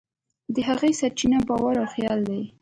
د هڅې سرچینه باور او خیال دی.